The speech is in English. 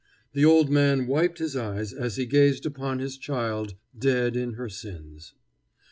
The old man wiped his eyes as he gazed upon his child, dead in her sins.